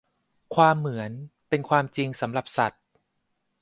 ความเหมือนเป็นความจริงสำหรับสัตว์